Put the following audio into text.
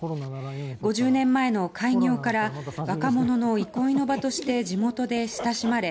５０年前の開業から若者の憩いの場として地元で親しまれ